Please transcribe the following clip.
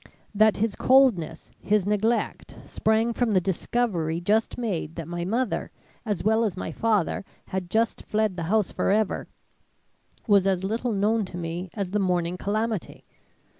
That his coldness, his neglect, sprang from the discovery just made that my mother as well as my father had just fled the house forever was as little known to me as the morning calamity.